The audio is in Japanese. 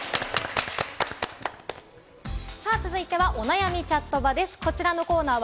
続いては、お悩みチャットバです。